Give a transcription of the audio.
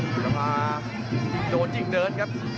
เวลาภาพโดนยิ่งเดิร์ทครับ